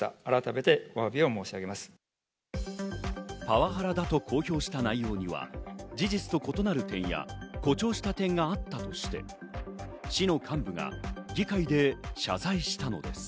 パワハラだと公表した内容には事実と異なる点や、誇張した点があったとして、市の幹部が議会で謝罪したのです。